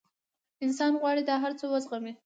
انسان غواړي دا هر څه وزغمي.